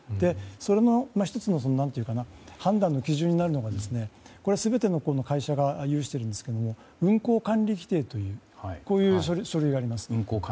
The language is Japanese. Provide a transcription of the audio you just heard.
それの１つの判断の基準になるのがこれは全ての会社が有しているんですが運航管理規定という書類があります。